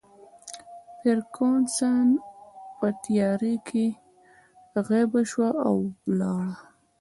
فرګوسن په تیارې کې غیبه شوه او ولاړه.